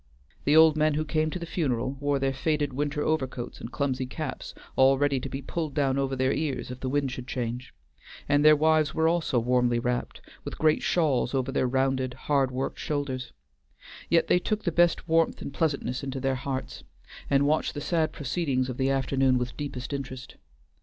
The old men who came to the funeral wore their faded winter overcoats and clumsy caps all ready to be pulled down over their ears if the wind should change; and their wives were also warmly wrapped, with great shawls over their rounded, hard worked shoulders; yet they took the best warmth and pleasantness into their hearts, and watched the sad proceedings of the afternoon with deepest interest.